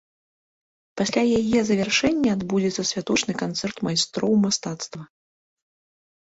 Пасля яе завяршэння адбудзецца святочны канцэрт майстроў мастацтваў.